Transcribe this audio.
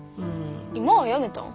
今はやめたん？